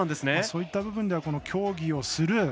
そういった部分では、競技をする。